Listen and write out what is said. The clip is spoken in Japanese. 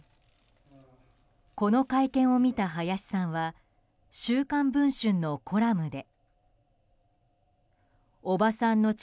この会見を見た林さんは「週刊文春」のコラムで。